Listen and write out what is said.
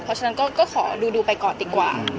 เพราะฉะนั้นก็ขอดูไปก่อนดีกว่า